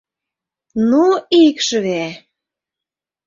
Ну, икшыве!..